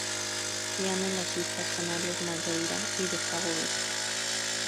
Crían en las islas Canarias, Madeira y de Cabo Verde.